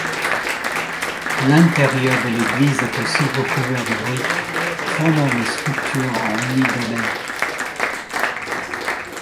L'intérieur de l'église est aussi recouvert de briques formant des structures en nids d'abeille.